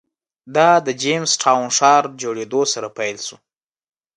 دا د جېمز ټاون ښار جوړېدو سره پیل شو.